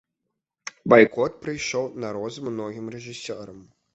Байкот прыйшоў на розум многім рэжысёрам.